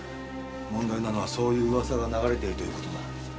問題なのはそういう噂が流れてるという事だ。